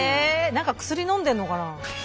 何か薬のんでるのかな？